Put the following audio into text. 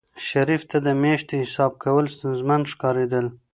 شریف ته د میاشتې حساب کول ستونزمن ښکارېدل.